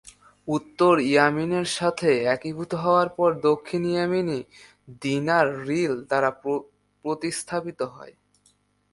উত্তর ইয়েমেনের সাথে একীভূত হওয়ার পর দক্ষিণ ইয়েমেনি দিনার রিল দ্বারা প্রতিস্থাপিত হয়।